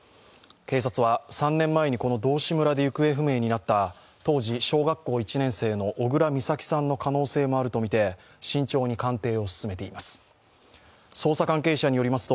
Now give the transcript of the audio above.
警察は、３年前にこの道志村で行方不明になった当時小学校１年生の小倉美咲さんの可能性もあるとみて慎重に鑑定を進めています。